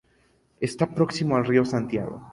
Está próximo al Río Santiago.